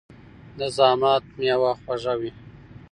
د زحمت میوه خوږه وي.